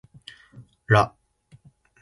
ら